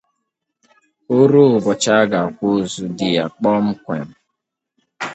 O ruo ụbọchị a ga-akwa ozu di ya kpọmkwem